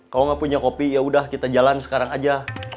kalo gak punya kopi yaudah kita jalan sekarang aja